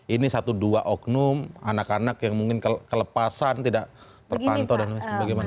ini satu dua oknum anak anak yang mungkin kelepasan tidak terpantau dan bagaimana